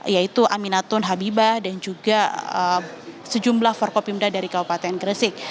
yaitu aminatun habibah dan juga sejumlah forkopimda dari kabupaten gresik